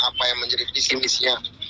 apa yang menjadi visi misinya